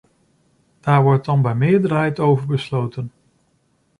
Daar wordt dan bij meerderheid over besloten.